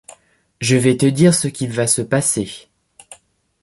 Je vais te dire ce qu'il va se passer.